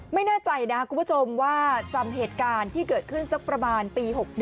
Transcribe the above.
ไม่แน่ใจนะคุณผู้ชมว่าจำเหตุการณ์ที่เกิดขึ้นสักประมาณปี๖๑